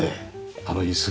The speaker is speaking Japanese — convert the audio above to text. あの椅子が。